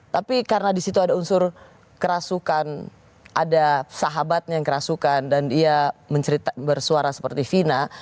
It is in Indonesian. tapi karena di situ ada unsur kerasukan ada sahabatnya yang kerasukan dan dia bersuara seperti vina